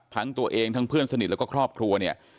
ทั้งตัวเองทั้งเพื่อนสนิทแล้วก็ครอบครัวเนี่ย